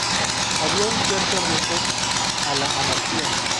Había un cierto riesgo a la anarquía.